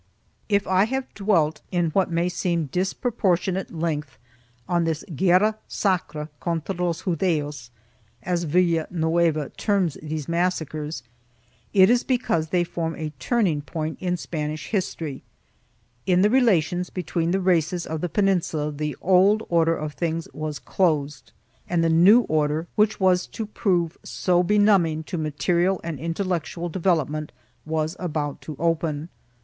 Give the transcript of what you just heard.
2 If I have dwelt in what may seem disproportionate length on this guerra sacra contra los Judios, as Villanueva terms these massacres,3 it is because they form a turning point in Spanish history. In the relations between the races of the Peninsula the old order of things was closed and the new order, which was to prove so benumbing to material and intellectual development, was about to open.